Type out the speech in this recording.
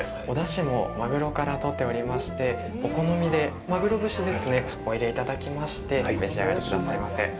お出汁もマグロから取っておりましてお好みでマグロ節をお入れていただきましてお召し上がりくださいませ。